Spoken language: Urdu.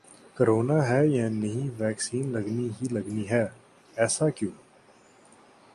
کورونا ہے یا نہیں ویکسین لگنی ہی لگنی ہے، ایسا کیوں